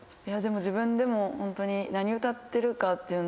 自分でもホントに何歌ってるかっていうのは。